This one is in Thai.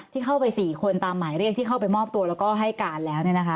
ที่เข้าไป๔คนตามหมายเรียกที่เข้าไปมอบตัวแล้วก็ให้การแล้ว